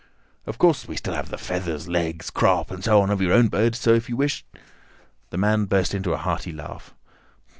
"Of course, we still have the feathers, legs, crop, and so on of your own bird, so if you wish—" The man burst into a hearty laugh.